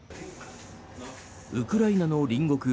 ウクライナの隣国